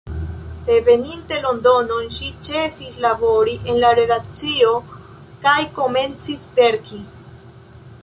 Reveninte Londonon, ŝi ĉesis labori en la redakcio kaj komencis verki.